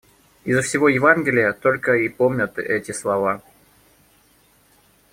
Изо всего Евангелия только и помнят эти слова.